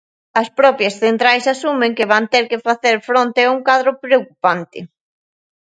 As propias centrais asumen que van ter que facer fronte a un "cadro preocupante".